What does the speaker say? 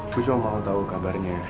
gue cuma mau tau kabarnya